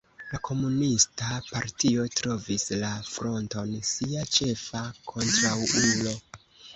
La komunista partio trovis la Fronton sia ĉefa kontraŭulo.